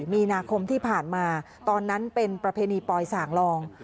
มีนาคมที่ผ่านมาตอนนั้นเป็นประเพณีปลอยส่างลอง